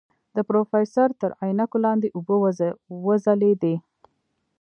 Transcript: د پروفيسر تر عينکو لاندې اوبه وځلېدې.